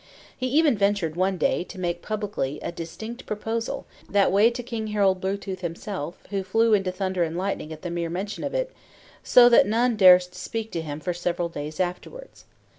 He even ventured one day to make publicly a distinct proposal that way to King Harald Blue tooth himself; who flew into thunder and lightning at the mere mention of it; so that none durst speak to him for several days afterwards.